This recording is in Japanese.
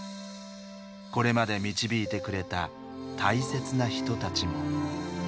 これまで導いてくれた大切な人たちも。